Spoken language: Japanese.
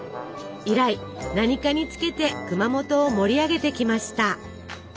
以来何かにつけて熊本を盛り上げてきました。